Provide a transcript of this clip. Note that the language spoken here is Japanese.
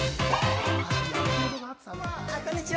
あっ、こんにちは。